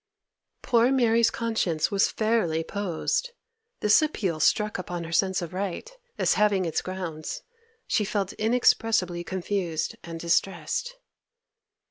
Poor Mary's conscience was fairly posed. This appeal struck upon her sense of right, as having its grounds. She felt inexpressibly confused and distressed.